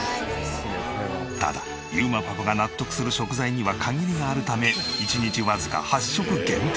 ただ裕磨パパが納得する食材には限りがあるため１日わずか８食限定。